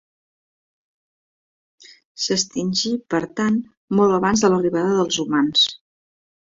S'extingí, per tant, molt abans de l'arribada dels humans.